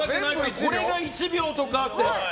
これが１秒とかあって。